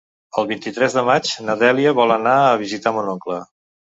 El vint-i-tres de maig na Dèlia vol anar a visitar mon oncle.